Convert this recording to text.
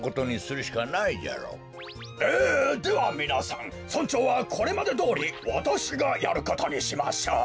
えではみなさん村長はこれまでどおりわたしがやることにしましょう。